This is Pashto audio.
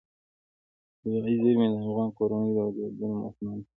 طبیعي زیرمې د افغان کورنیو د دودونو مهم عنصر دی.